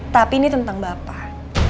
tapi ini tentang bapak